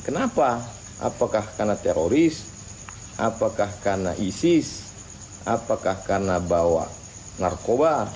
kenapa apakah karena teroris apakah karena isis apakah karena bawa narkoba